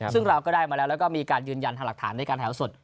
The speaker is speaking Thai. ซึ่งเราก็ได้มาแล้วแล้วก็มีการยืนยันทางหลักฐานในการแถวสด